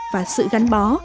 và sự gắn bó